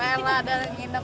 rela dan menginap